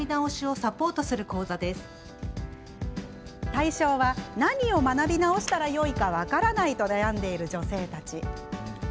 対象は、何を学び直したらよいか分からないと悩んでいる女性たち。